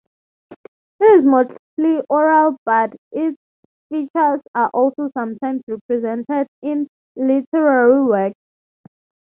It is mostly oral but its features are also sometimes represented in literary works.